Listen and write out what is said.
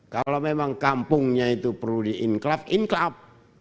kalau memang kampungnya itu perlu di inclup inclup